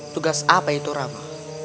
tugas apa itu rama